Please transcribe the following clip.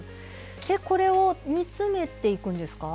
これを煮詰めていくんですか？